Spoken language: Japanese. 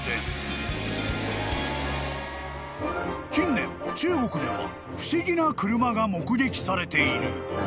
［近年中国では不思議な車が目撃されている］